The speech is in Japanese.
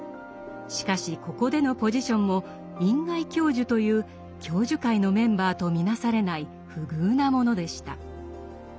しかしここでのポジションも員外教授という教授会のメンバーと見なされない不遇なものでした。